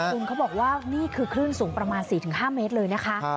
คุณเขาบอกว่านี่คือคลื่นสูงประมาณ๔๕เมตรเลยนะคะ